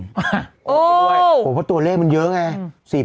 โหเพราะตัวเลขมันเยอะไง